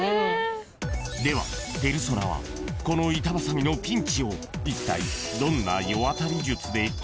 ［ではペルソナはこの板挟みのピンチをいったい］